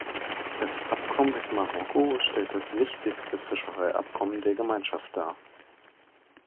Das Abkommen mit Marokko stellt das wichtigste Fischereiabkommen der Gemeinschaft dar.